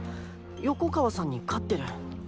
横川さんに勝ってる。